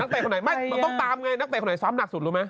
พวกเค้าไปคนไหนซอฟน์หนักสุดรู้มั้ย